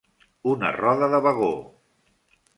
Una roda de vagó!